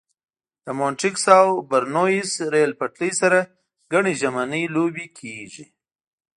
له مونټریکس او برنویس ریل پټلۍ سره ګڼې ژمنۍ لوبې کېږي.